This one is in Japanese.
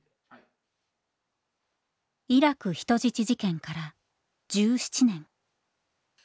イラク人質事件から１７年。